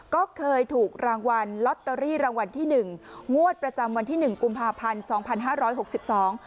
ก็เคยถูกรางวัลลอตเตอรี่รางวัลที่หนึ่งงวดประจำวันที่หนึ่งกุมภาพันธ์สองพันห้าร้อยหกสิบสอง